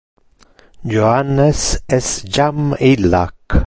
Johannes es jam illac.